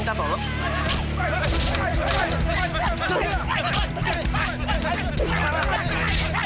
tuh orang lagi